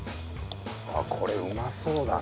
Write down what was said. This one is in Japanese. これうまそうだな。